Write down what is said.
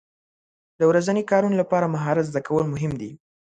د ورځني کارونو لپاره مهارت زده کول مهم دي.